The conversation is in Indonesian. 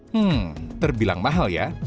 hmm terbilang mahal ya